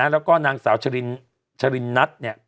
แล้วก็นางสาวชรินนัทเนี่ย